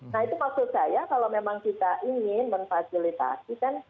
nah itu maksud saya kalau memang kita ingin memfasilitasi kan